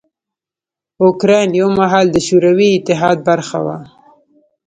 اوکراین یو مهال د شوروي اتحاد برخه وه.